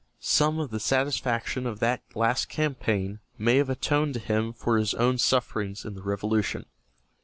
Some of the satisfaction of that last campaign may have atoned to him for his own sufferings in the Revolution.